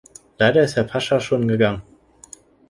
Leider ist Herr Pasqua schon gegangen.